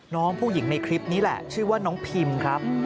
น้องผู้หญิงในคลิปนี้แหละชื่อว่าน้องพิมครับ